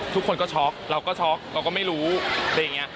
ทุกคนก็ช็อกเราก็ช็อกเราก็ไม่รู้อะไรอย่างนี้